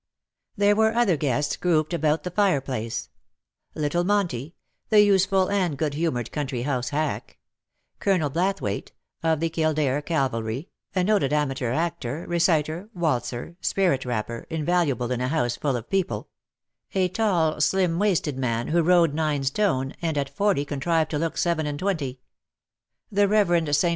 There were other guests grouped about the fire place — little Monty, the useful and good humoured country house hack ; Colonel Blathwayt, of the Kildare Cavalry, a noted amateur actor, ^reciter, waltzer, spirit rapper, invaluable in a house full of people — a tall, slim waisted man, who rode nine stone, and at forty contrived to look seven and twenty ; the Kev. St.